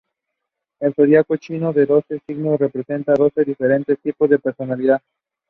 The enclosed head is located amidships on the starboard side.